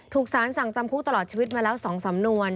ถูกสารสั่งจำคุกตลอดชีวิตมาแล้ว๒สำนวน